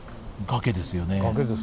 崖ですね。